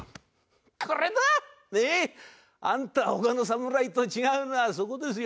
これだ！ねえ。あんたが他の侍と違うのはそこですよ。